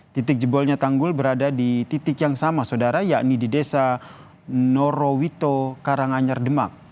titik jebolnya tanggul berada di titik yang sama saudara yakni di desa norowito karanganyar demak